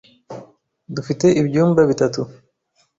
Dufite ibyumba bitatu.